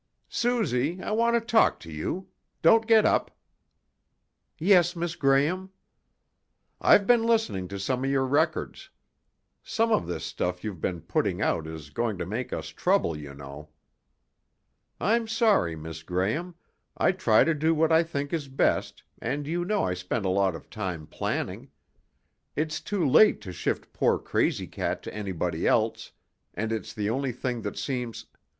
"Suzy, I want to talk to you. Don't get up." "Yes, Miss Graham?" "I've been listening to some of your records. Some of this stuff you've been putting out is going to make us trouble, you know." "I'm sorry, Miss Graham. I try to do what I think is best, and you know I spend a lot of time planning. It's too late to shift poor Crazy Cat to anybody else, and it's the only thing that seems...."